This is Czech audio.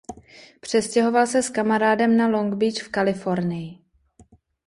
Přestěhoval se s kamarádem na Long Beach v Kalifornii.